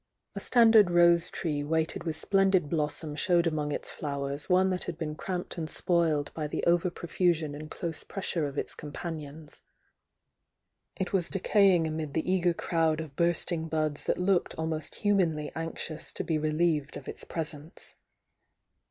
A standard rose tree weighted with splendid blossom showed among its flowers one that had been cramped and spoiled by the over profusion and close pressure of its companions — It was decaying amid the eager crc ^d of burstmg buds that looked almost humanly anxious to be relieved of its presence.